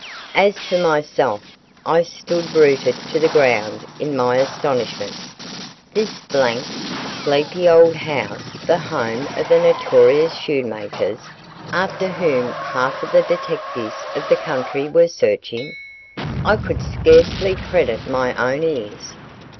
As for myself I stood rooted to the ground in my astonishment. This blank, sleepy old house the home of the notorious Schoenmakers after whom half of the detectives of the country were searching? I could scarcely credit my own ears.